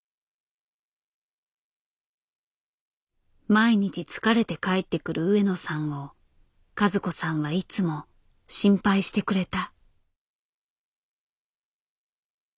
毎日疲れて帰ってくる上野さんを和子さんはいつも心配してくれた。